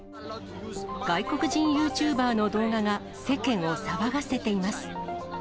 外国人ユーチューバーの動画が、世間を騒がせています。